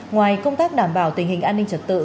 ngoài công tác đảm bảo tình hình an ninh trật tự